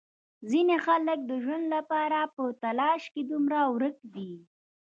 ځینې خلک د ژوند لپاره په تلاش کې دومره ورک دي.